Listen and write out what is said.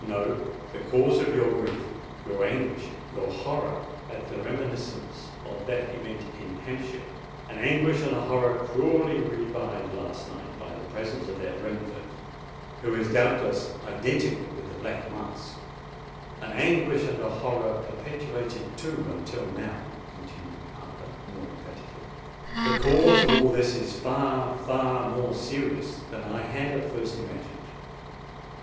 No—the cause of your grief—your anguish—your horror at the reminiscence of that event in Hampshire,—an anguish and a horror cruelly revived last night by the presence of that Rainford, who is doubtless identical with the Black Mask,—an anguish and a horror perpetuated, too, until now," continued Arthur, more emphatically,—"the cause of all this is far—far more serious than I had at first imagined.